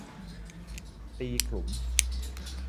ตีขลุม